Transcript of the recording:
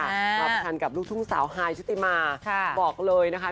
มาประชันกับลูกทุ่งสาวฮายชุติมาบอกเลยนะคะ